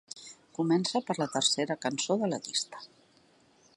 Comença per la tercera cançó de la llista.